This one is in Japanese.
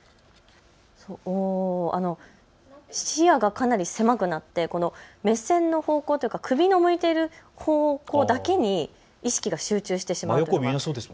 視野がかなり狭くなって目線の方向、首の向いている方向だけに意識が集中してしまいます。